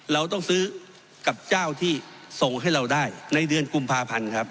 เราต้องซื้อกับเจ้าที่ส่งให้เราได้ในเดือนกุมภาพันธ์ครับ